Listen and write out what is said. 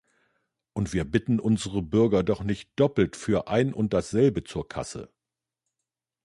Und wir bitten unsere Bürger doch nicht doppelt für ein und dasselbe zur Kasse.